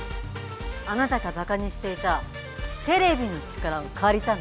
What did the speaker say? あなたがばかにしていたテレビの力を借りたの。